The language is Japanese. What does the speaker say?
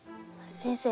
先生